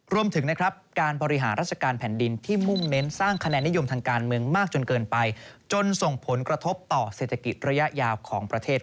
รวมถึงนะครับการบริหารราชการแผ่นดินที่มุ่งเน้นสร้างคะแนนนิยมทางการเมืองมากจนเกินไปจนส่งผลกระทบต่อเศรษฐกิจระยะยาวของประเทศ